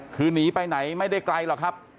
คือหนีไปไหนไม่ได้ไกลหรอกครับ